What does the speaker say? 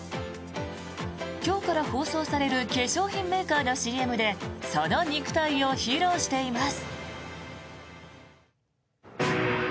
今日から放送される化粧品メーカーのＣＭでその肉体を披露しています。